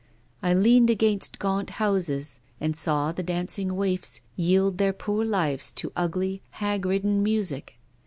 I leaned against gaunt houses and saw the dancing waifs yield their poor lives to ugly, hag ridden music.